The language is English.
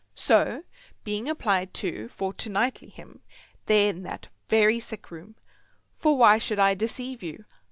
So being applied to for to nightly him, there in that very sick room—for why should I deceive you?